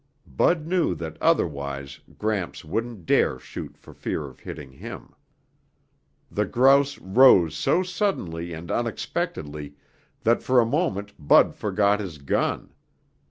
Bud knew that otherwise Gramps wouldn't dare shoot for fear of hitting him. The grouse rose so suddenly and unexpectedly that for a moment Bud forgot his gun.